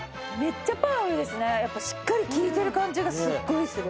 しっかり効いてる感じがすごいする。